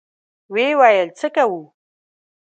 ويې ويل: څه کوو؟